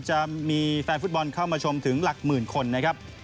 จะมีแฟนฟุตบอลเข้ามาชมถึงหลักหมื่นคนนะครับ